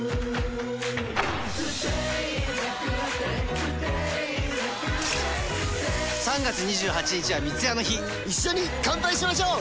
プシュッ３月２８日は三ツ矢の日一緒に乾杯しましょう！